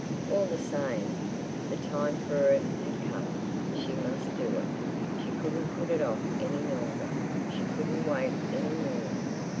All the same, the time for it had come. She must do it. She couldn't put it off any longer; she couldn't wait any more....